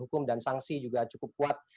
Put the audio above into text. hukum dan sanksi juga cukup kuat